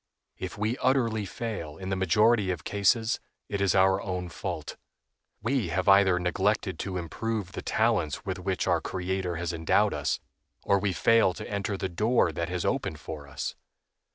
If we utterly fail, in the majority of cases, it is our own fault. We have either neglected to improve the talents with which our Creator has endowed us, or we fail to enter the door that has opened for us.